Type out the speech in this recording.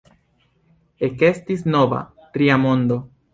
Ekestis nova, "tria mondo".